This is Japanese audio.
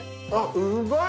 うまい！